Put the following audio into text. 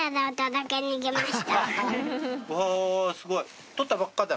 おぉすごい取ったばっかだ。